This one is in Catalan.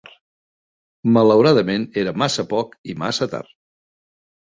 Malauradament era massa poc i massa tard.